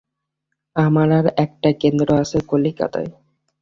আমার আর একটি কেন্দ্র আছে কলিকাতায়।